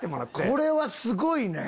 これはすごいね。